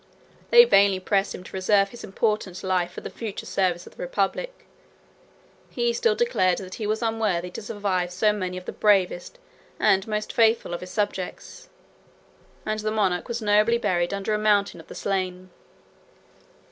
They vainly pressed him to reserve his important life for the future service of the republic. He still declared that he was unworthy to survive so many of the bravest and most faithful of his subjects; and the monarch was nobly buried under a mountain of the slain.